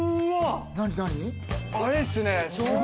あれっすね。